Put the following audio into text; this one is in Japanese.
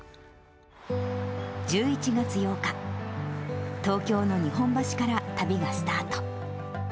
１１月８日、東京の日本橋から旅がスタート。